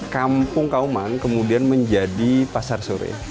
kampung kauman kemudian menjadi pasar sore